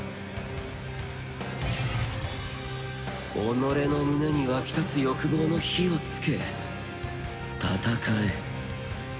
己の胸に沸き立つ欲望の火をつけ戦え。